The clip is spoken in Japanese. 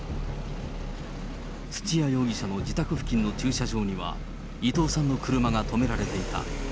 土屋容疑者の自宅付近の駐車場には、伊藤さんの車が止められていた。